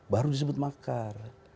baru disebut makar